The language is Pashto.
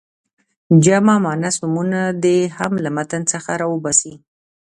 جمع مؤنث نومونه دې هم له متن څخه را وباسي.